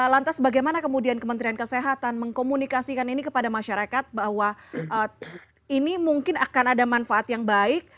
lantas bagaimana kemudian kementerian kesehatan mengkomunikasikan ini kepada masyarakat bahwa ini mungkin akan ada manfaat yang baik